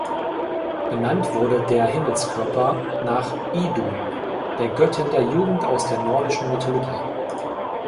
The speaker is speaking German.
Benannt wurde der Himmelskörper nach Idun, der Göttin der Jugend aus der nordischen Mythologie.